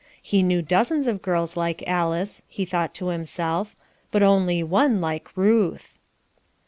He knew dozens of girls like Alice, he thought to himself, but only one like Ruth.